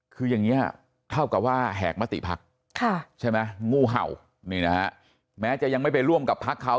คืออย่างนี้เท่ากับว่าแหกมติพักใช่ไหมงูเห่านี่นะฮะแม้จะยังไม่ไปร่วมกับพักเขา